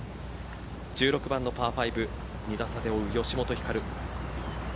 １６番のパー５２打差で追う吉本ひかる。